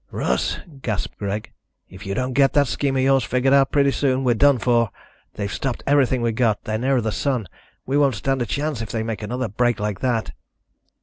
"Russ," gasped Greg, "if you don't get that scheme of yours figured out pretty soon, we're done for. They've stopped everything we've got. They're nearer the sun. We won't stand a chance if they make another break like that."